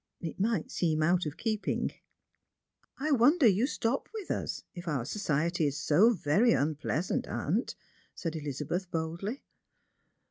It might seem out of keeping." " I wonder you stop with us if our society is so very nn pleasant, aunt," said Elizabeth boldly.